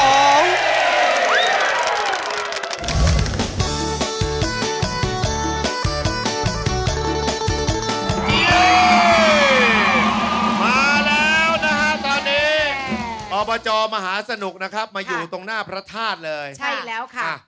มาแล้วนะฮะตอนนี้อบจมหาสนุกนะครับมาอยู่ตรงหน้าพระธาตุเลยใช่แล้วค่ะ